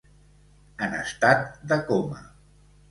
En estat de coma.